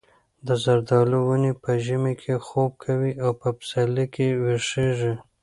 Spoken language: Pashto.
د زردالو ونې په ژمي کې خوب کوي او په پسرلي کې ویښېږي.